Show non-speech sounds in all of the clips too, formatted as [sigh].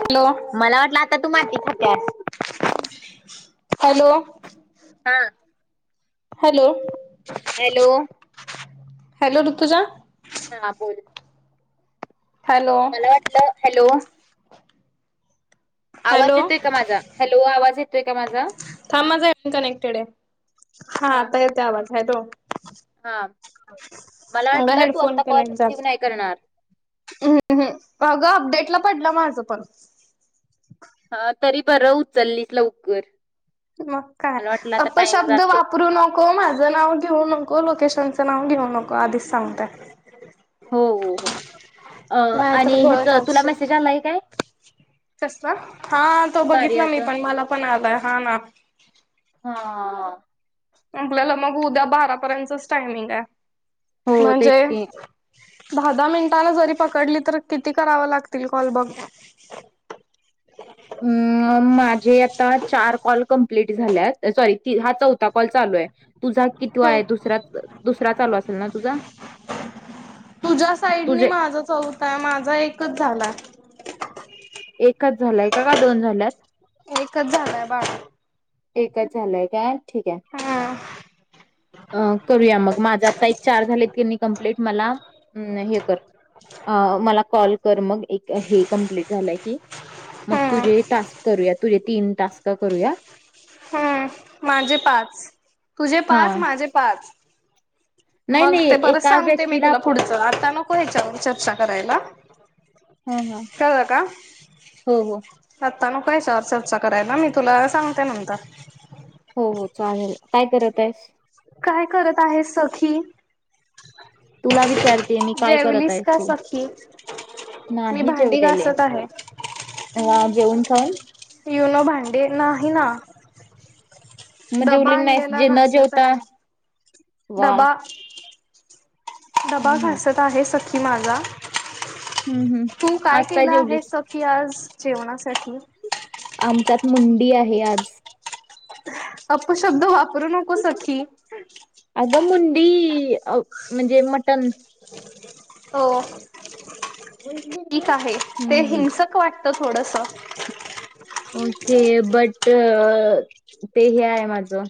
Hello मला वाटलं, आता तू माती खातीयास. हॅलो! हा. हॅले. Hello, hello Rutuja. हा बोल. हॅलो मला वाटलं हॅलो आवाज हॅलो येतोय का माझा, हॅलो -आवाज येतोय का माझा? थांमाचन कनेक्टेड आहे हा आता,. आवाज आहे त हा मला वाटलं बेहन तू कोण आता कॉल करायाचे असू. रिसीव्ह नाही करणार. वू वू अगं, अपडेटला पडलं माझं पण. हा तरी, बरं उचललीस लवकर. मग काय, मला वाटलं आता टाइम अपशब्द वाप जाते. वापरू नको. माझं नाव घेऊ नको, लोकेशनचं नाव घेऊ नको, आधीच सांगतेय. हो, हो, हो अ आणि नाहीतर गोळ्या ह्याच तुला खाशील मेसेज आलाय काय? कसला, हा तो बघितला कार्याच? मी, पण मला पण आलाय हा ना. हा आ आपल्याला मग उद्या बारापर्यंतच टायमिंग आहे. हो तेच म्हणजे? की. दहा दहा मिनिटांला जरी पकडली तर किती करावं लागतील कॉल बघ. [inaudible] अ माझे आता चार कॉल कंप्लीट झालेत, सॉरी हा तीन हा चौ आता कॉल चालू हे. तुझा कितवा हे दुस -दुसरा चालू असेल ना तुझा? तुझ्या साईटनी तुझे मा माझं चौ आ माझा एकच झालाय. एकच झालाय का दोन झाल्यात. एकच जालाय बाई. एकच झालंय काय? ठीक हे. हम्म अ करूया मग माझा आता एक चार झालेत की कंप्लीट मला हम् हे कर अ मला कॉल तर मग एक हे कम्प्लीट झाल की, मग हम्म तुझेही टास्क करूयात. तुझे तीन तास का करूया? ह माझे पाच तुझे हा पाच माझे पाच. नाही मग नाही ते बरच एका सांगते मी व्यक्तीला तुला पुढचं आता नक नको हयाच्यावर चर्चा करायला, ह ह कळलं का? हो हो आत्ता नको याच्यावर चर्चा करायला, मी तुला सांगते नंतर. हो हो. चालेल. काय करत आहेस? काय करत आहेस सखी? तुला विचारतेय मी काय करत जेवलीस आहेस का तू? सखी? मी नाही भांडी जेवलेले घासत मी. आहे. निवांत जेऊन खाऊन? युनो भांडे नाही ना. मग डबा जेवली नाहीस आणलेला जे न घासत जेवता आहे. वा डबा. डबा हम्म हम्म घासत आहे सखी माझा. हम्म हम्म तू काय आज केलं जेवलीस? आहेस सखी आज जेवणासाठी? आमच्यात मुंडी आहे आज. अपशब्द वापरू नको सखी. अगं मुंडी -अ म्हणजे मटण. हो. ठीक आहे. ते हम्म हिंसक- वाटत थोडस. ओके. बट ते हे आहे माझं.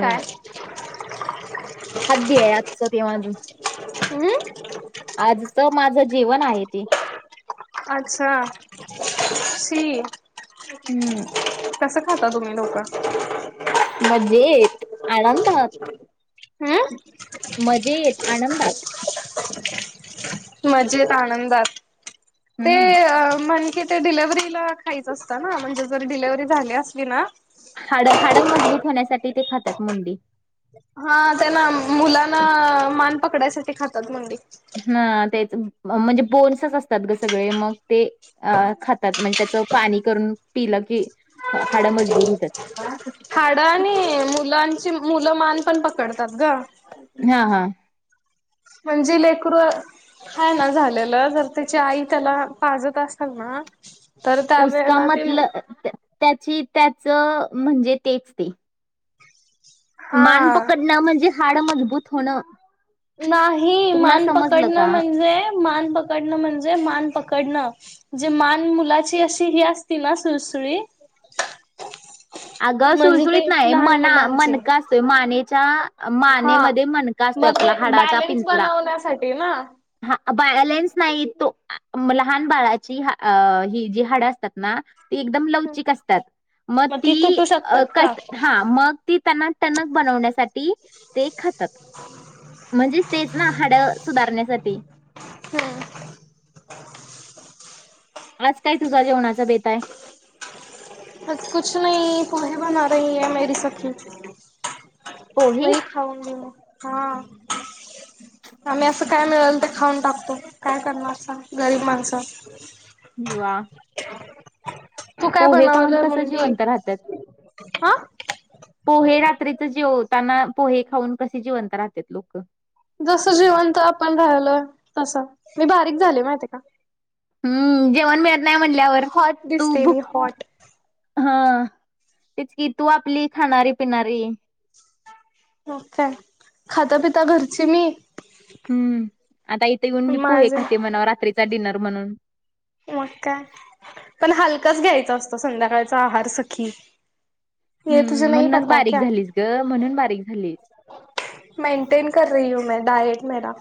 काय? खादय ए आजचं ते माझ. अहं? आजच माझं जेवण आहे ते. अच्छा. सी. हम्म. कसं खाता तुम्ही लोक? मज्जेत. आनंदात. हम्म मजेत आनंदात. मजेत आनंदात. ते हम्म म्हण कि ते डिलेव्हरीला- खायच असतं ना? म्हणजे जर डिलेव्हरी झाली असली ना- हाडं, हाडं मजबूत होण्यासाठी ते खातात मुंडी. हा. त्याला मुलाला मान पकडायसाठी खातात मुंडी. हां. तेच म म्हणजे बोन्सच असतात ग सगळे. मग ते- अ खातात. म्हणजे त्याचं पाणी करून पिलं की- हाड मजबुत होत्यात. हाडं आणि मुलांची मुलं मान पण पकडतात ग. हां. हां. म्हणजे लेकरू- खायला झालेलं जर त्याची आई त्याला पाजत असेल ना? तर त्यावेळेला ते- उसकामतलं त्या- त्याची त्याच म्हणजे तेच ते. मान हा पकडणं म्हणजे हाड मजबूत होणं. नाही तुला मान समजलं पकडणं का? म्हणजे, मान पकडणं म्हणजे मान पकडणं. जे मान मुलाची अशी ही असती ना सुळसुळी- अगं म्हणजे सुळसुळीत ते नाही. लहान मना मुलांची मणका असतोय. माने- -च्या, हा मानेमध्ये मणका असतो मग आपला ते हाडाचा बॅलेन्स पिंजरा. बनवण्यासाठी ना हा बॅलेन्स नाही तो. लहान बाळाची ही जी हाडं असतात ना? ते एकदम लवचिक असत्यात. म मग - ती तुटू शक- अ क हां. मग ती त्यांना टणक बनवण्यासाठी ते खातात. ह मजी तेच ना हाडं सुधारण्यासाठी. हम. आज काय तुझा जेवणाचा बेत आहे? आज कुछ नही, पोहे बना रही है मेरी सखी पोहे वई खाऊन घेऊ, हा. आम्ही असं काय मिळल ते खाऊन टाकतो, काय करणार सांग गरीब माणसं. दुवा. तू काय खाऊन बनवलं कसं म्हणली? जिवंत राहतात. हां. पोहे रात्रीच जेवताना पोहे खाऊन कसे जिवंत राहतेत लोकं. जसं जिवंत आपण राहिलोय तसं, मी बारीक झाले माहितीे का? हम्म, जेवण मिळत नाही म्हणल्यावर हॉट तू दिसते भूक मी हॉट हां, तेच की तू आपली खाणारी पिणारी. हो काय, खात्या पित्या घरची मी. हम्म, आता इथे येऊन मी पोहे माझे खाते म्हणाव रात्रीचा डिनर म्हणून. मग काय, पण हलकाच घ्यायचा असतो संध्याकाळचा आहार सखी. ये तुझे हम्म, नाही म्हणूनच पता बारीक क्या झालीस ग, म्हणून बारीक झालीस. मेंटेन कर रही हूँ मैं डाएट मेरा.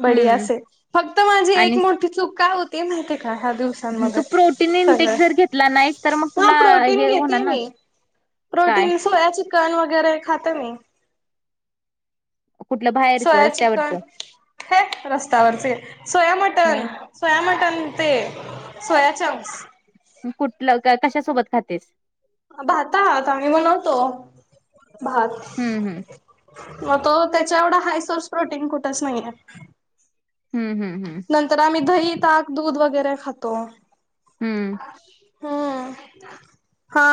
बडीया हम्म. से फक्त माझी एक आणि स- मोठी चूक काय होतीये माहितीे का ह्या दिवस सांन हं, तू मध्ये प्रोटीन इंटेक सगळं जर घेतला नाहीस तर मग हां, तुला प्रोटीन हे होणार घेतीये ना मी. काय प्रोटीन सोया चिकन वगैरे खाते मी. कुठलं बाहेरचं सोया चिकन रस्त्यावरचं हे रस्त्यावरचे सोया मटण. मग सोया मटन ते सोया चंक्स. कुठलं क कशासोबत खातेस? भातात आम्ही बनवतो भात. हम्म हम. मग तो त्याच्या एवढा हाय सोर्स प्रोटीन कुठचं नाही आहे. - हम्म हम्म हम. नंतर आम्ही दही, ताक, दूध वगैरे खातो. हम्म. हम्म हा.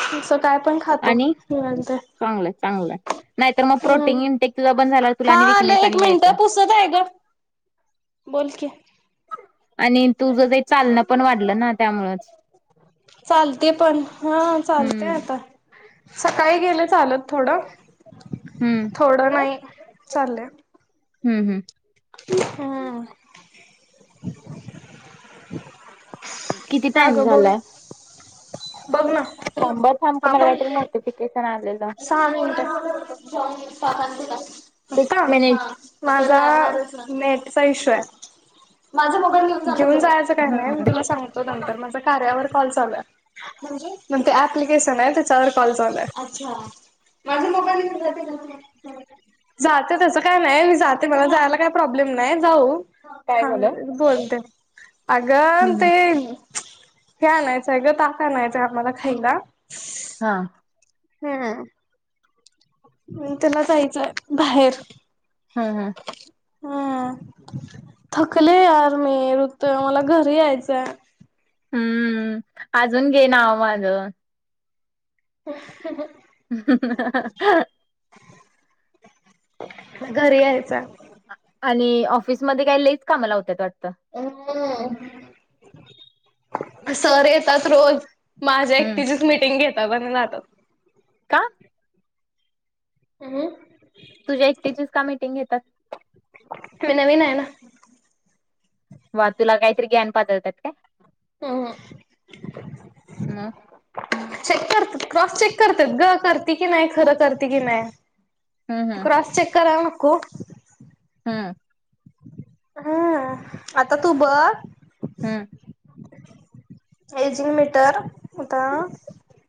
तुमचं काय पण खातो आणि [unintelligible] चांगलंय चांगलयं नाही तर मगं हम्म प्रोटीन इनटेक तुझा बंद झाल्याव, तुला आणि विकनेस आणि यायचा. तुझं आहे ग. बोल की. आणिं तुझं काई चालणं पण वाढलं ना त्यामुळच. चालतंय पण हां, चालतंय हम्म. आता. सकाळी गेले चालत थोडं, हम्म, थोडे नाही चालले. हं ह. हं. किती का टाइम गं बोल, झालाय? बोल ना. शंभर थांब तुम्हाला काहीतरी नोटिफिकेशन आलेलं सहां मिनिटं सिक्स मिनिट. [inaudible] माझा नेटचा इश्यू आहे. माझं मोबाईल घेऊन जा, घिऊन जायाचं काही नाही, मी हम्म तुला सांग तो नंतर माझा कार्यावर कॉल चालू आहे, म्हणजे मंग ते ॲप्लिकेशन आहे, त्याच्यावर कॉल चालू आहे. अच्छा! माझं मोबाईल घेवून जाती - जातें, त्याच काय नाही, मी जाते मला जायला कायं? प्रॉब्लेम नाही जाऊ. हां काय थांब झालं? मी बोलते अगं हम्म हम्म तें - हे आणायचंय ग ताक आणायचंय आम्हाला खायला. हा [unintelligible] हम्म, त्याला जायचंय बाहेर. हां-हा. हम्मं थकले यार् मी ऋतू मला घरी यायचंय. हम्म्. अजून घें नाव माझं. [inaudible] [inaudible] घरी यायचां- आणि ऑफिसमध्ये काय लईच काम लावत्यात वाटतं. [unintelligible] सर येतात रोज. माझ्या हम्म ऐकटीचीच मिटींग घेता बघं ना आता. का? [inaudible] तुझ्या एकटीचीचं का मिटिंग घेतात? तो नवीन आहे ना. वां तुला काहीतरी ग्यान पादवतायेत काय? [inaudible] मग चेकं कर, क्रॉस चेकं करत्यात गं करते कीं नाही, खरं करते कीं नाही. हम्म हम्म क्रॉस चेक करायला नको - हां. हां. आता तू बघं हम्म. हैजिंग मीटर होतं.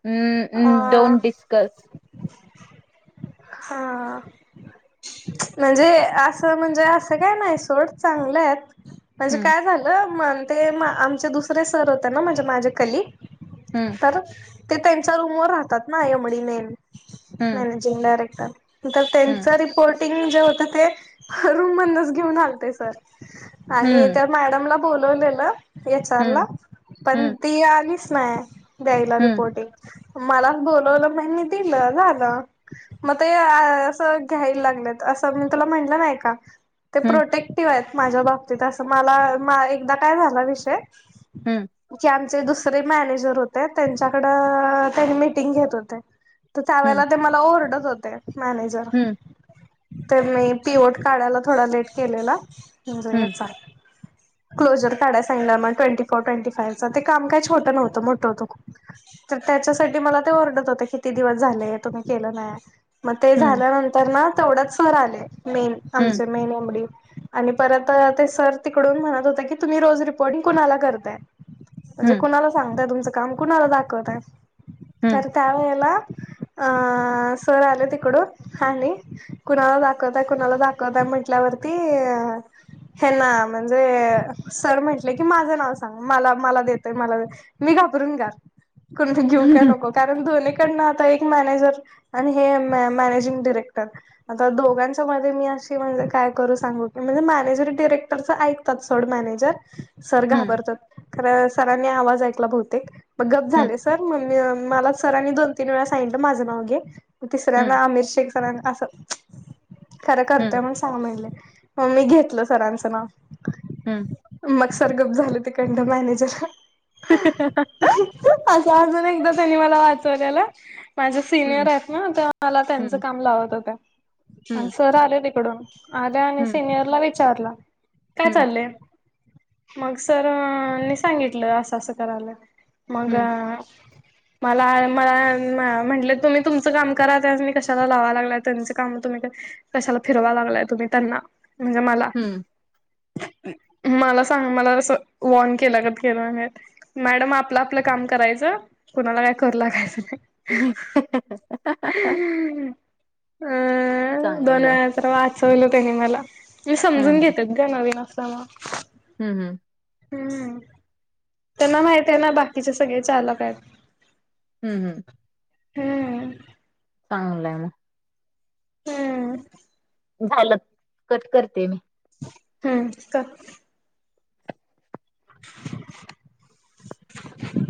[unintelligible] Don't discuss. हां म्हणजे असं म्हणजे असं काय नाही सोड चांगलेत. म्हणजे हम्म काय झालं म्हण ते आमचे दुसरे सर होते ना म्हणजे माझे कली हम्म. [unintelligible] ते त्यांच्या रूम व राहतात ना एमडी नेन, हम्म मॅनेजिंग डायरेक्टर. [unintelligible] हम्म त्यांच रिपोर्टिंग जे होत ते हं रूम मधूनचं घेऊन आलते सर. आणि हम्म त्या मॅडमला बोलवलेलं ते विचारायला, हम्म पण हम्म ती आलीच नाही द्यायला हम्म रिपोर्टिंग. मला बोलवलं म [unintelligible] दिलं झालं. मग ते असं, घ्यायला लागलेत असं मी तुला म्हटलं नाही का- ते प्रोटेक्टिव्ह आहेत माझ्या बाबतीत असं मला मा एकदा काय झाला विषय हम्म [unintelligible] आम. चे दुसरे मॅनेजर होते त्यांच्याकडं, त्यांनी मीटिंग घेत होते. तर हम्म त्यावेळेला ते मला ओरडत होते, मॅनेजर. हम्म तर मी पिओट काढायला थोडा लेट केलेला म्ह [unintelligible] हम्म हेचा. क्लोजर काढायला सांगितला मग ट्वेंटी फोर, ट्वेंटी फाईव्ह चा ते काय छोटं न्हवतं मोठं होतं खूप. तर त्याच्यासाठी मला ते ओरर्डत होत किती दिवस झाले तुम्ही केलं नाही मग ते हम्म झाल्यानंतर ना तेवढ्यात सर आले मेन हम्म आमचे मेन एमडी आणि परत ते सर तिकडून म्हणत होते की तुम्ही रोज रिपोर्टिंग कुणाला करताय म्हणजे हम्म कुणाला सांगताय तुमचं काम कुणाला दाखवत आहे हं, त्यावेेळेला अ सर आले तिकडून आणि कुणाला दाखवतय कुणाला दाखवतय म्हंटल्यावरती अ हे ना म्हणजे सर म्हंटले की माझं नाव सांग मला मला देतय मला मी घाबरून जात कुणाला घेऊ का हं, नको कारण दोन्हीकडनं आता एक मॅनेजर आणि हे मॅनेजिंग डिरेक्टर आता दोघांच्या मध्ये मी अशी म्हणजे काय करू सांगू की म्हणजे मॅनेजरी डिरेक्टरचं ऐक सोड मॅनेजर सर हं, घाबरतात कारण सरांनी आवाज ऐकला बहुतेक मग गप् हं, झाले सर मग मी मला सरांनी दोन तीन वेळा सांगितलं माझं नाव घे तिसऱ्यांना हं, आमिर शेखर स्यांना असं खरं हं, करतंय सांग म्हणले मग मी घेतल सरांचं नाव ह मग सर गप झालं ते काहींदा ते मॅनेजर ह [unintelligible] असं अजून एकदा त्यांनी वाचवलेलं माझे सीनियर हं, आहेत ह ते मला त्यांचं हं, काम लावत होते आणि हं, सर आले तिकडून आल्या आणि हं, सिनियरला विचारला काय हं, चाललंय मग सर न सांगितलं असं असं करायला मग हं, मला मला म्हटलं तुम्ही तुमचं काम करा त्यास मी कशाला लावा लागलाय त्यांचं काम तुम्ही कशाला फिरवा लागलाय तुम्ही त्यांना म्हणजे मला हं. मला सांग मला तस वॉन केला गत केल अस मॅडम आपलं आपलं काम करायचं कोणाला काय करू लागायचं नाही हम अ दोन चांगलंय. वेडा असं वाचवल त्यांने मला हं, समजून घेतात ग नवीन असल्यामुळे हम् हम् हम्म त्यांना माहित आहे ना बाकीचे सगळे चालक आहेत? हम् हम् हम्म चांगलंय मंग हम्म झालं कट करते मी हम्म कर [unintelligible]